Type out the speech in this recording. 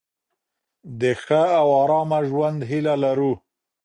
د ښه او آرامه ژوند هیله لرو.